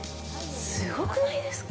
すごくないですか？